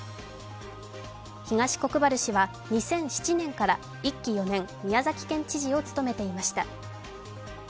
東国原氏は２００７年から１期４年宮崎県知事を務めていました。